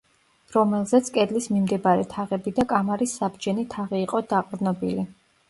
რომელზეც კედლის მიმდებარე თაღები და კამარის საბჯენი თაღი იყო დაყრდნობილი.